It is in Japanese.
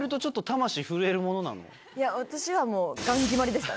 いや私はもう。